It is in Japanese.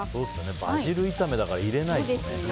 バジル炒めだから入れないとね。